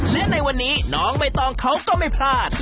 และในวันนี้น้องใบตองเขาก็ไม่พลาด